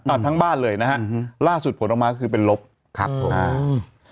อ่ะทั้งบ้านเลยนะฮะอืมล่าสุดผลออกมาก็คือเป็นลบครับผมอ่าอืม